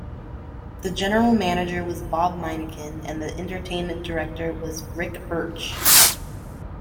The General Manager was Bob Miniken and the Entertainment Director was Ric Birch.